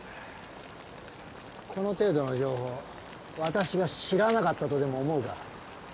この程度の情報私が知らなかったとでも思うか？